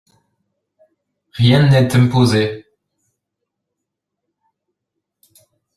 Rien n’est imposé.